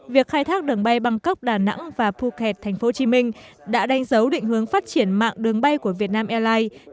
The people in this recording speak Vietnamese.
việc khai thác đường bay bangkok đà nẵng và phuket thành phố hồ chí minh đã đánh dấu định hướng phát triển mạng đường bay của việt nam airlines